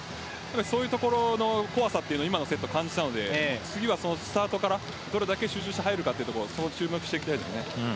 そういうところの怖さを今のセットで感じたので次はスタートからどれだけ集中して入るかそこを修正していきたいですね。